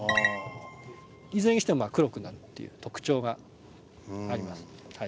いずれにしても黒くなるっていう特徴があります。